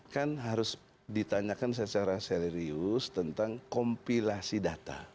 kan harus ditanyakan secara serius tentang kompilasi data